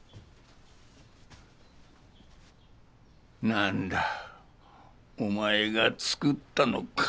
何だお前が作ったのか。